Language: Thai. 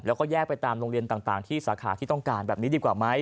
แล้วก็แยกไปตามโรงเรียนต่างที่สาขาที่ต้องการแบบนี้ดีกว่าไหม